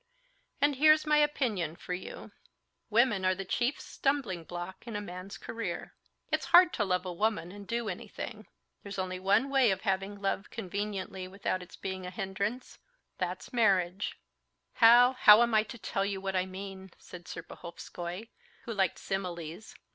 "And here's my opinion for you. Women are the chief stumbling block in a man's career. It's hard to love a woman and do anything. There's only one way of having love conveniently without its being a hindrance—that's marriage. How, how am I to tell you what I mean?" said Serpuhovskoy, who liked similes.